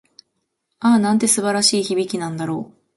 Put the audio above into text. ああ、なんて素晴らしい響きなんだろう。